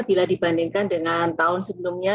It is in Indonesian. bila dibandingkan dengan tahun sebelumnya